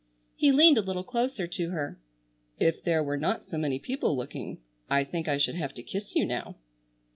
He leaned a little closer to her. "If there were not so many people looking I think I should have to kiss you now."